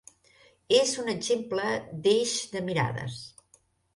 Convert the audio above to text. És un exemple d'eix de mirades.